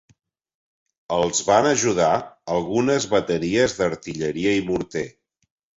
Els van ajudar algunes bateries d'artilleria i morter .